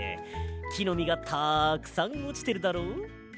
きのみがたくさんおちてるだろ。